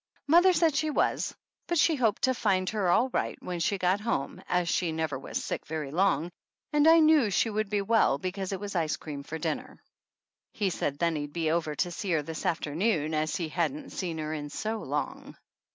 Mother said she was, but she hoped to find her all right when we got home, as she never was sick very long, and I knew she would be well because it was ice cream for dinner. He said then he'd be over to see her this afternoon as he hadn't seen her in so long.